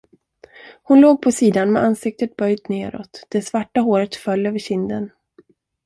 Hon låg på sidan med ansiktet böjt neråt, det svarta håret föll över kinden.